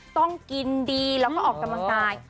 ต้องกินดีแล้วก็ออกกำลังกาย